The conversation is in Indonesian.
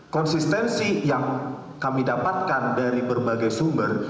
konsistensi yang kami dapatkan dari berbagai sumber